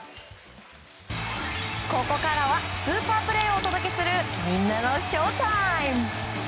ここからはスーパープレーをお届けするみんなのＳＨＯＷＴＩＭＥ。